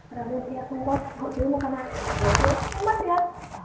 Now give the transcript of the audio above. rồi bây giờ không có hộ chiếu không có năng lực không mất tiền